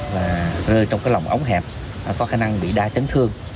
và rơi trong cái lòng ống hẹp có khả năng bị đa chấn thương